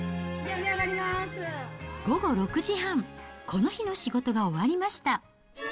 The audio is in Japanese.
午後６時半、この日の仕事が終わりました。